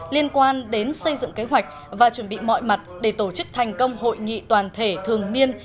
liên quan đến xây dựng kế hoạch và chuẩn bị mọi mặt để tổ chức thành công hội nghị toàn thể thường niên